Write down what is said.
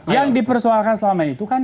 yang dipersoalkan selama itu kan